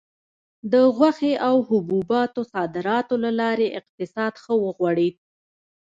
د غوښې او حبوباتو صادراتو له لارې اقتصاد ښه وغوړېد.